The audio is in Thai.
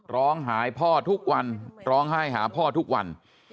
ร้องหายพ่อทุกวันร้องไห้หาพ่อทุกวัน